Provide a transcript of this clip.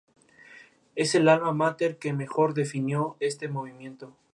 Es el alma mater que mejor definió este movimiento.